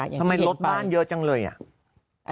ทำไมรถบ้านเยอะจังเลยอ่ะ